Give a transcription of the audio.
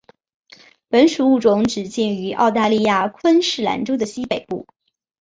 本属物种只见于澳大利亚昆士兰州的西北部。